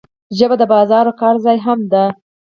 ژبه د بازار او کار ځای هم ده.